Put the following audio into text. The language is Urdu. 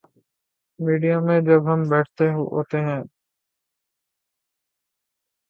میڈیا میں جب ہم بیٹھے ہوتے ہیں۔